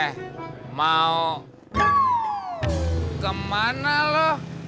eh mau kemana lo